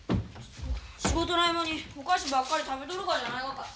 仕事の合間にお菓子ばっかり食べとるからじゃないがか。